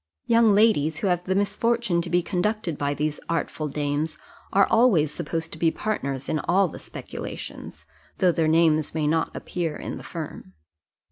Young ladies who have the misfortune to be conducted by these artful dames, are always supposed to be partners in all the speculations, though their names may not appear in the firm.